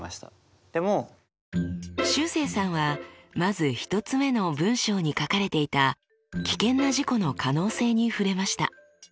しゅうせいさんはまず１つ目の文章に書かれていた危険な事故の可能性に触れました。